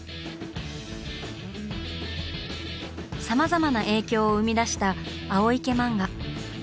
さまざまな影響を生み出した青池漫画。